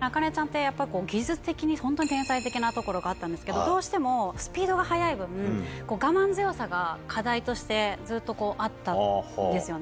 茜ちゃんって技術的にホントに天才的なところがあったんですけどどうしてもスピードが速い分我慢強さが課題としてずっとあったんですよね。